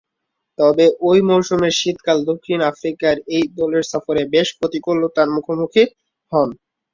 তবে, ঐ মৌসুমের শীতকালে দক্ষিণ আফ্রিকায় এ দলের সফরে বেশ প্রতিকূলতার মুখোমুখি হন।